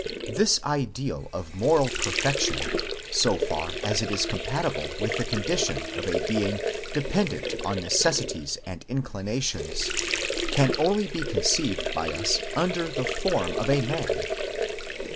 This ideal of moral perfection, so far as it is compatible with the condition of a being dependent on necessities and in clinations, can only be conceived by us under the form of aman.